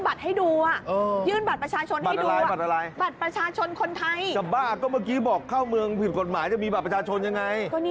อ้าวแล้วยิ่งยื่นบัตรให้ดู